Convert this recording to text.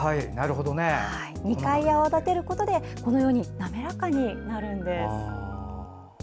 ２回泡立てることでこのように滑らかになるんです。